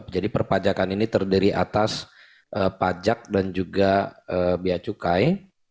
jadi perpajakan ini terdiri atas pajak dan juga biaya cukai